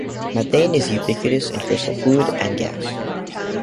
Methane is ubiquitous in crustal fluid and gas.